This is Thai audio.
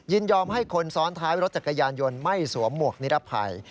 ยอมให้คนซ้อนท้ายรถจักรยานยนต์ไม่สวมหมวกนิรภัย